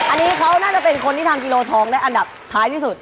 อันนี้เขาน่าจะเป็นคนที่ทำกิโลทองได้อันดับท้ายที่สุด